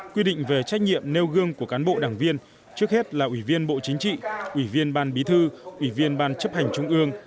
quy định về trách nhiệm nêu gương của cán bộ đảng viên trước hết là ủy viên bộ chính trị ủy viên ban bí thư ủy viên ban chấp hành trung ương